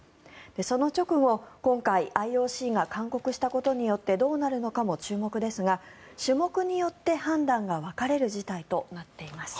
その直後、今回ＩＯＣが勧告したことによってどうなるのかも注目ですが種目によって判断が分かれる事態となっています。